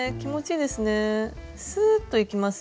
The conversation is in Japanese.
すっといきます。